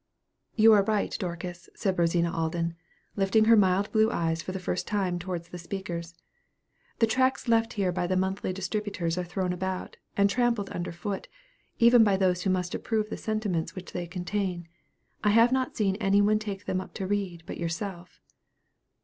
"You are right, Dorcas," said Rosina Alden, lifting her mild blue eye for the first time towards the speakers; "the tracts left here by the monthly distributors are thrown about, and trampled under foot, even by those who most approve the sentiments which they contain. I have not seen anyone take them up to read but yourself."